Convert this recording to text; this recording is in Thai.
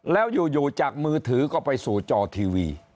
แล้วอยู่จากมือถือก็ไปสู่จอทีวี